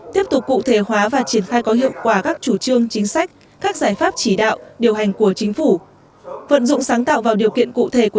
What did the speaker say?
tiếp tục cụ thể hóa và triển khai có hiệu quả các chủ trương chính sách các giải pháp chỉ đạo điều hành của chính phủ